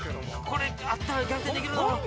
これあったら逆転できるぞ！